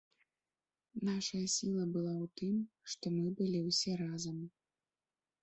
Нашая сіла была ў тым, што мы былі ўсе разам.